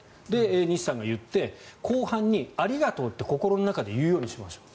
西さんが言って後半にありがとうって心の中で言うようにしましょう。